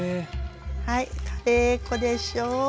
はいカレー粉でしょ。